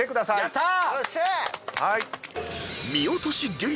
やった！